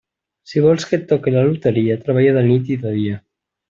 Si vols que et toque la loteria, treballa de nit i de dia.